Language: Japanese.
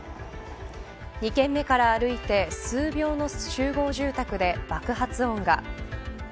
２件目から歩いて数秒の集合住宅で爆発音が。